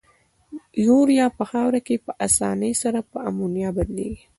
یوریا په خاوره کې په آساني سره په امونیا بدلیږي.